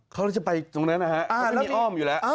เขาจะไปตรงนั้นนะครับเขาจะไปอ้อมอยู่แล้ว